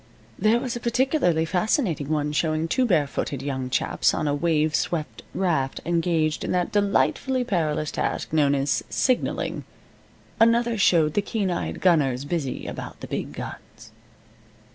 There was a particularly fascinating one showing two barefooted young chaps on a wave swept raft engaged in that delightfully perilous task known as signaling. Another showed the keen eyed gunners busy about the big guns.